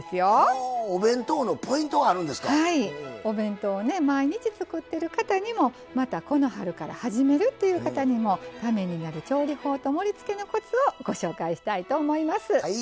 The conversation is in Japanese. お弁当をね毎日作ってる方にもまたこの春から始めるという方にもためになる調理法と盛りつけのコツをご紹介したいと思います。